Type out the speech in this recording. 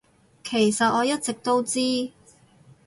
其實我一直都知